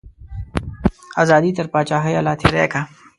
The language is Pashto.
ازادي تر پاچاهیه لا تیری کا.